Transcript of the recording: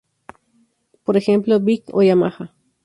Por ejemplo: Bic o Yamaha.